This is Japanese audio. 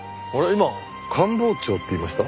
今「官房長」って言いました？